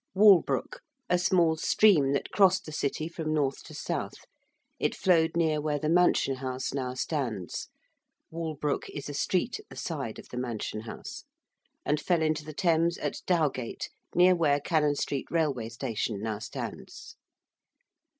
~Walbrook~: a small stream that crossed the City from north to south. It flowed near where the Mansion House now stands (Walbrook is a street at the side of the Mansion House), and fell into the Thames at Dowgate, near where Cannon Street Railway Station now stands.